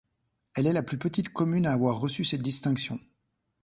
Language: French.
Elle est la plus petite commune à avoir reçu cette distinction.